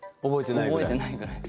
覚えてないぐらい？